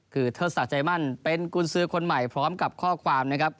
คือเทิดศักดิ์ใจมั่นเป็นกุญสือคนใหม่พร้อมกับข้อความนะครับ